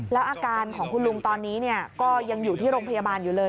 แล้วอาการของคุณลุงตอนนี้ก็ยังอยู่ที่โรงพยาบาลอยู่เลย